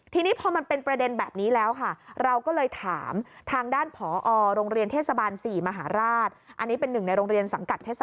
ทีนี้พอมันเป็นประเด็นแบบนี้แล้วเราก็เลยถามทางด้านพอค